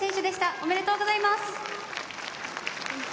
おめでとうございます。